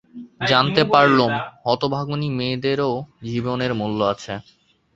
জানতে পারলুম হতভাগিনী মেয়েরও জীবনের মূল্য আছে।